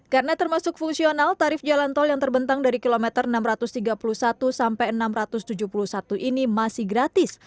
karena termasuk fungsional tarif jalan tol yang terbentang dari kilometer enam ratus tiga puluh satu sampai enam ratus tujuh puluh satu ini masih gratis